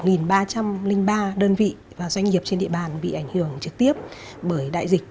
gần một ba trăm linh ba đơn vị và doanh nghiệp trên địa bàn bị ảnh hưởng trực tiếp bởi đại dịch